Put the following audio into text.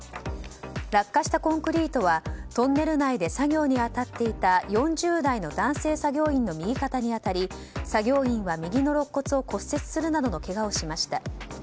落下したコンクリートはトンネル内で作業に当たっていた４０代の男性作業員の右肩に当たり作業員は右の肋骨を骨折するなどのけがをしました。